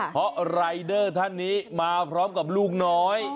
เพราะรายเดอร์ท่านนี้มาพร้อมกับลูกน้อย